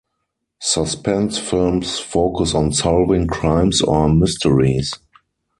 Suspense films focus on solving crimes or mysteries.